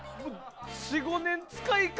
４５年使い方